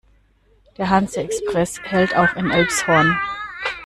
Der Hanse-Express hält auch in Elmshorn.